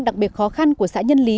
đặc biệt khó khăn của xã nhân lý